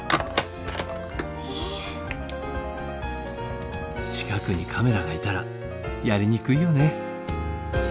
近くにカメラがいたらやりにくいよね。